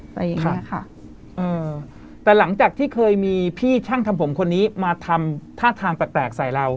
อะไรอย่างเงี้ยค่ะเออแต่หลังจากที่เคยมีพี่ช่างทำผมคนนี้มาทำท่าทางแปลกแปลกใส่เรา